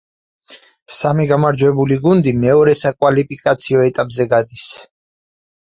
სამი გამარჯვებული გუნდი მეორე საკვალიფიკაციო ეტაპზე გადის.